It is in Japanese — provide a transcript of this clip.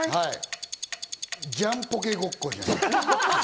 ジャンポケごっこじゃない？